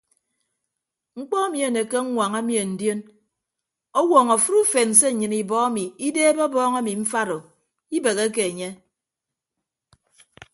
Mkpọ emi anekke aññwaña mien ndion ọwọọñọ afịt ufen se nnyịn ibọ emi ideebe ọbọọñ emi mfat o ibegheke enye.